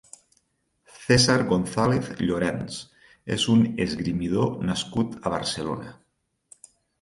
César González Llorens és un esgrimidor nascut a Barcelona.